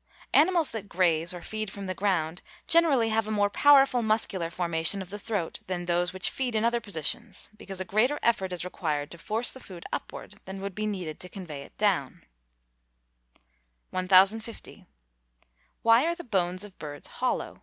_ Animals that graze, or feed from the ground, generally have a more powerful muscular formation of the throat than those which feed in other positions, because a greater effort is required to force the food upward, than would be needed to convey it down. 1050. _Why are the bones of birds hollow?